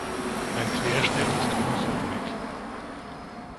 Sein Querschnitt ist unförmig.